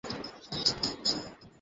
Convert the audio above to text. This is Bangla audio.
তোর বাবার উপার্জনের পথও বন্ধ হয়ে গেছে।